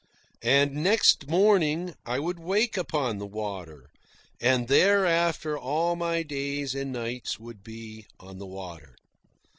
And next morning I would wake upon the water; and thereafter all my days and nights would be on the water.